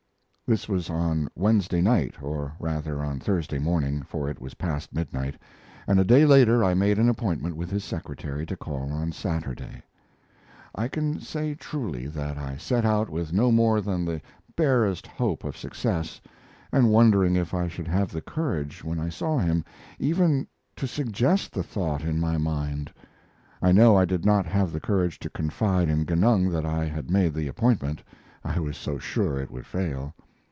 This was on Wednesday night, or rather on Thursday morning, for it was past midnight, and a day later I made an appointment with his secretary to call on Saturday. I can say truly that I set out with no more than the barest hope of success, and wondering if I should have the courage, when I saw him, even to suggest the thought in my mind. I know I did not have the courage to confide in Genung that I had made the appointment I was so sure it would fail.